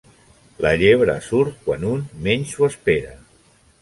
La llebre surt quan un menys s'ho espera.